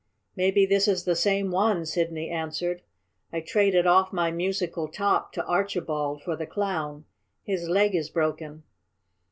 "Maybe this is the same one," Sidney answered. "I traded off my musical top to Archibald for the Clown. His leg is broken."